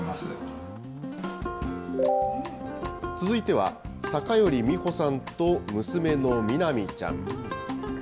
続いては、坂寄美帆さんと娘の湊海ちゃん。